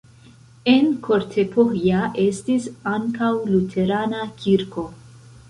En Kortepohja estis ankaŭ luterana kirko.